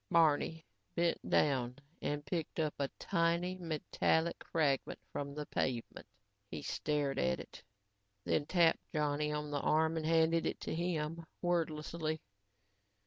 Barney bent down and picked a tiny metallic fragment from the pavement. He stared at it and then tapped Johnny on the arm and handed it to him, wordlessly.